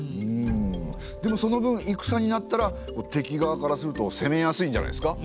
でもその分戦になったら敵側からすると攻めやすいんじゃないですか？